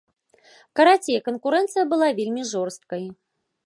Карацей, канкурэнцыя была вельмі жорсткай.